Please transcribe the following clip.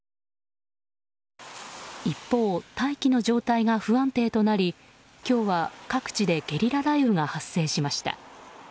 一方、大気の状態が不安定となり今日は各地でゲリラ雷雨が発生しました。